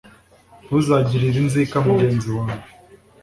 ntuzagirire inzika mugenzi wawe